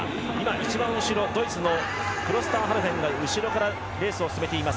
一番後ろドイツのクロスターハルフェンが後ろからレースを進めています。